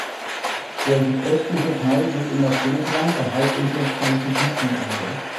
Der südöstliche Teil geht in das Hochland der Halbinsel Chalkidiki über.